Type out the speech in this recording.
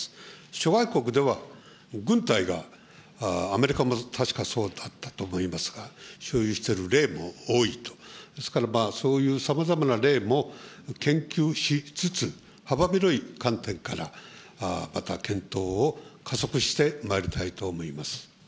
諸外国では軍隊が、アメリカも確かそうだったと思いますが、所有している例も多いと、ですからそういうさまざまな例も研究しつつ、幅広い観点からまた検討を加速してまいりたいと思います。